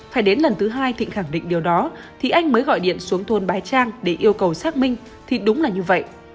phải đến lần thứ hai thịnh khẳng định điều đó thì anh mới gọi điện xuống thôn bái trang để yêu cầu xác minh thì đúng là như vậy